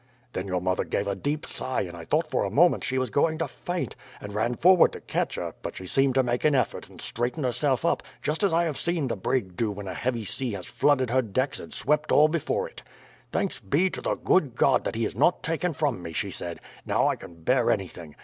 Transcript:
Then your mother gave a deep sigh, and I thought for a moment she was going to faint, and ran forward to catch her; but she seemed to make an effort and straighten herself up, just as I have seen the brig do when a heavy sea has flooded her decks and swept all before it. "'Thanks be to the good God that he is not taken from me,' she said. 'Now I can bear anything.